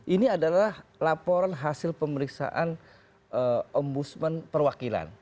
ini adalah laporan hasil pemeriksaan om busman perwakilan